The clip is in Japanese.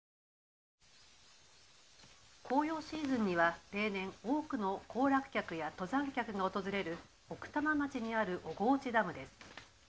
紅葉シーズンには例年多くの行楽客や登山客が訪れる奥多摩町にある小河内ダムです。